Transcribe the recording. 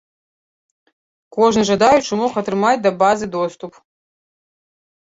Кожны жадаючы мог атрымаць да базы доступ.